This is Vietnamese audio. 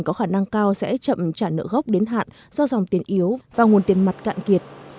có khả năng cao sẽ chậm trả nợ gốc đến hạn do dòng tiền yếu và nguồn tiền mặt cạn kiệt